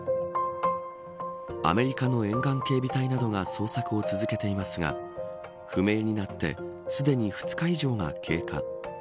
アメリカの沿岸警備隊などが捜索を続けていますが不明になってすでに２日以上が経過。